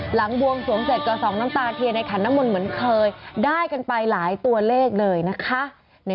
บวงสวงเสร็จก็ส่องน้ำตาเทียนในขันน้ำมนต์เหมือนเคยได้กันไปหลายตัวเลขเลยนะคะ